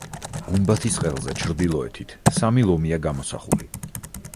გუმბათის ყელზე, ჩრდილოეთით, სამი ლომია გამოსახული.